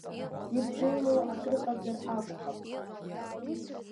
Ирзеилоу акрыҟазар акәхап.